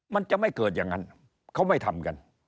มันจะไม่เกิดอย่างนั้นเขาไม่ทำกัน